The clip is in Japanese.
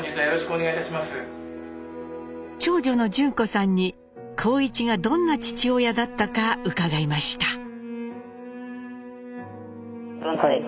長女の順子さんに幸一がどんな父親だったか伺いました。